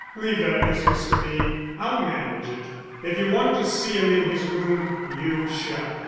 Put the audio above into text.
"Leave that business to me; I'll manage it. If you want to see him in his room, you shall."